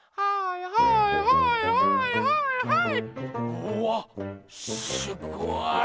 うわっすごい！